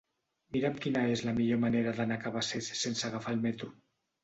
Mira'm quina és la millor manera d'anar a Cabacés sense agafar el metro.